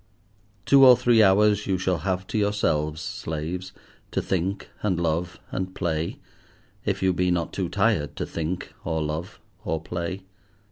Two or three hours you shall have to yourselves, slaves, to think and love and play, if you be not too tired to think, or love, or play.